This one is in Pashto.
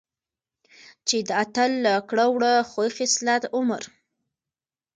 چې د اتل له کړه وړه ،خوي خصلت، عمر،